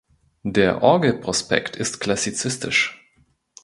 Der Orgelprospekt ist klassizistisch.